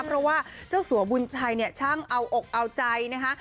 เพราะว่าเจ้าสัวบุญชัยเนี่ยช่างเอาอกเอาใจนะคะ